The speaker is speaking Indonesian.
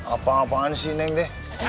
apa apaan sih neng deh